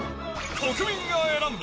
国民が選んだ！